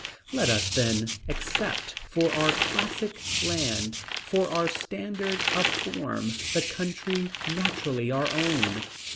Let us then accept for our classic land, for our standard of form, the country naturally our own.